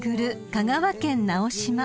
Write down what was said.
香川県直島］